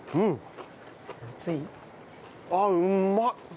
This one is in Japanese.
あっうまっ！